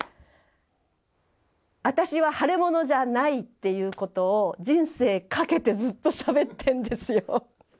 あたしは腫れ物じゃないっていうことを人生懸けてずっとしゃべってんですよ。